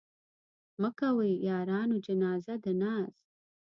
مه کوئ يارانو جنازه د ناز